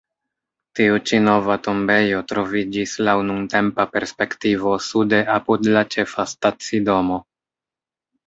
Tiu ĉi nova tombejo troviĝis laŭ nuntempa perspektivo sude apud la ĉefa stacidomo.